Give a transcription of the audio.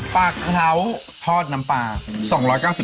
ปลาเคราะห์ทอดน้ำปลา๒๙๕บาท